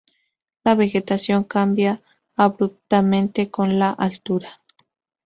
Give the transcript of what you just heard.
La vegetación cambia abruptamente con la altura.